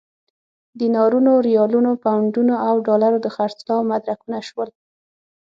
دینارونو، ریالونو، پونډونو او ډالرو د خرڅلاو مدرکونه شول.